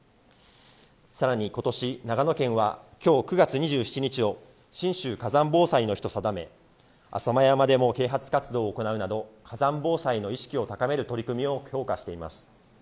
さらにことし、長野県は、きょう９月２７日を信州火山防災の日と定め、浅間山でも啓発活動を行うなど、火山防災の意識を高める取り組みを強化しています。